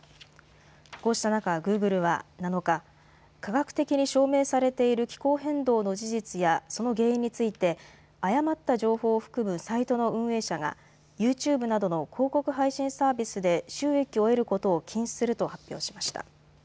こうした中、グーグルは７日、科学的に証明されている気候変動の事実やその原因について誤った情報を含むサイトの運営者がユーチューブなどの広告配信サービスで収益を得ることを禁止すると発表しました。